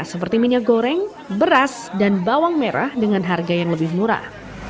seperti minyak goreng beras dan bawang merah dengan harga yang lebih murah